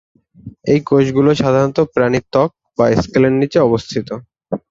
এই কোষগুলো সাধারণত প্রাণীর ত্বক বা স্কেলের নিচে অবস্থিত।